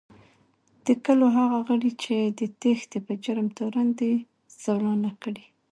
د کلو هغه غړي چې د تېښتې په جرم تورن دي، زولانه کړي